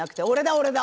俺だ！